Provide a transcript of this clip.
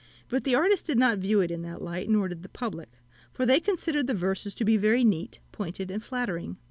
But the artist did not view it in that light, nor did the public; for they considered the verses to be very neat, pointed, and flattering.